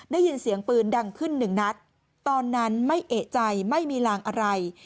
ได้ยินเสียงปืนดังขึ้นหนึ่งนัดตอนนั้นไม่เอกใจไม่มีลางอะไร